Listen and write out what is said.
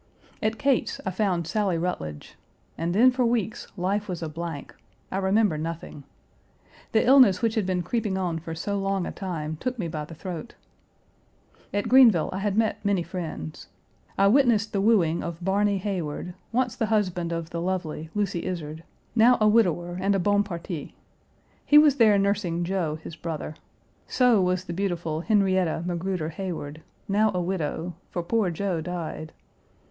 At Kate's, I found Sally Rutledge, and then for weeks life was a blank; I remember nothing. The illness which had been creeping on for so long a time took me by the throat. At Greenville I had met many friends. I witnessed the wooing of Barny Heyward, once the husband of the lovely Lucy Izard, now a widower and a bon parti. He was there nursing Joe, his brother. So was the beautiful Henrietta Magruder Heyward, now a widow, for poor Joe died.